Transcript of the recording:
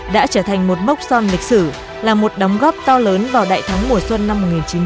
đã trở thành một mốc son lịch sử là một đóng góp to lớn vào đại thắng mùa xuân năm một nghìn chín trăm bảy mươi năm